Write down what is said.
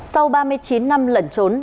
sau ba mươi chín năm lẩn trốn